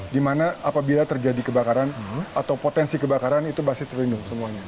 di mana apabila terjadi kebakaran atau potensi kebakaran itu pasti terlindung semuanya